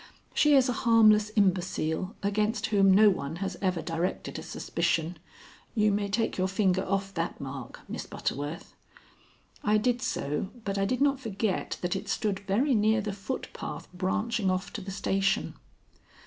She is a harmless imbecile, against whom no one has ever directed a suspicion. You may take your finger off that mark, Miss Butterworth." I did so, but I did not forget that it stood very near the footpath branching off to the station.